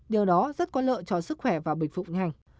điều đó rất có lợi cho sức khỏe và bệnh phụng nhanh